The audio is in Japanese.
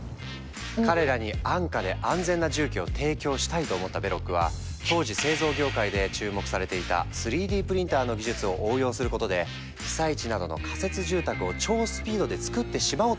彼らに安価で安全な住居を提供したいと思ったベロックは当時製造業界で注目されていた３Ｄプリンターの技術を応用することで被災地などの仮設住宅を超スピードでつくってしまおう！とひらめいた。